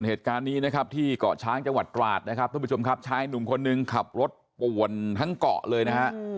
เหตุการณ์นี้นะครับที่เกาะช้างจังหวัดตราดนะครับท่านผู้ชมครับชายหนุ่มคนนึงขับรถป่วนทั้งเกาะเลยนะฮะ